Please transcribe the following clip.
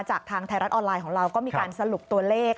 ทางไทยรัฐออนไลน์ของเราก็มีการสรุปตัวเลข